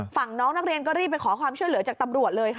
น้องนักเรียนก็รีบไปขอความช่วยเหลือจากตำรวจเลยค่ะ